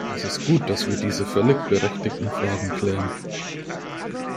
Es ist gut, dass wir diese völlig berechtigten Fragen klären.